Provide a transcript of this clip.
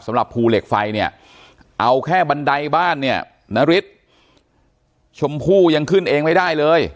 สำหรับภูเหล็กไฟเนี่ยเอาแค่บันไดบ้านเนี่ยนฤทธิ์ชมพู่ยังขึ้นเองไม่ได้เลย